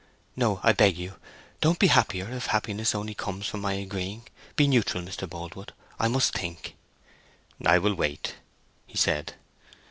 "No—I beg you! Don't be happier if happiness only comes from my agreeing. Be neutral, Mr. Boldwood! I must think." "I will wait," he said.